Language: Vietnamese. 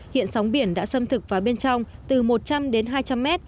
hiện sóng biển đã xâm thực vào bên trong từ một trăm linh đến hai trăm linh mét